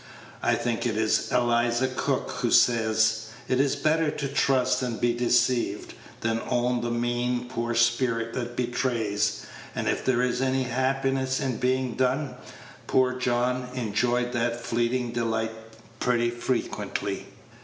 I think it is Eliza Cook who says, "It is better to trust and be deceived, than own the mean, poor spirit that betrays;" and if there is any happiness in being "done," poor John enjoyed that fleeting delight pretty frequently.